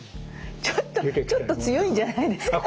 ちょっとちょっと強いんじゃないですか。